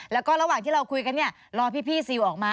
แล้วก็ระหว่างที่เราคุยกันเนี่ยรอพี่ซิลออกมา